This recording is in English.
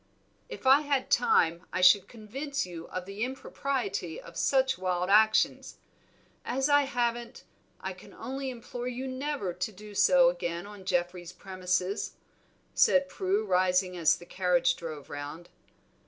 "If I had time I should convince you of the impropriety of such wild actions; as I haven't, I can only implore you never to do so again on Geoffrey's premises," said Prue, rising as the carriage drove round.